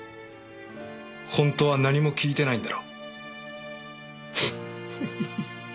本当は何も聞いてないんだろ。